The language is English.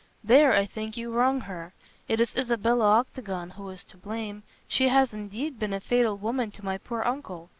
"There I think you wrong her. It is Isabella Octagon who is to blame. She has indeed been a fatal woman to my poor uncle.